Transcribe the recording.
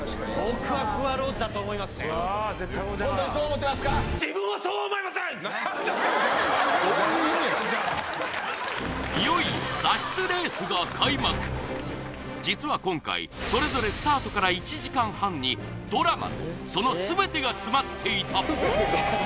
僕はいよいよ実は今回それぞれスタートから１時間半にドラマとそのすべてが詰まっていた！